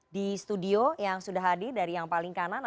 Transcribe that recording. di studio yang sudah hadir dari yang paling kanan